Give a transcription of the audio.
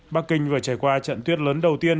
bắc kinh vừa trải qua trận tuyến lớn đầu tiên